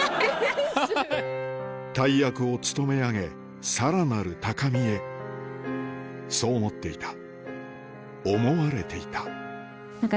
大役を務め上げさらなる高みへそう思っていた